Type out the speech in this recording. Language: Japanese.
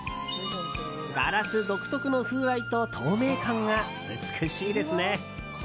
ガラス独特の風合いと透明感が美しいですね。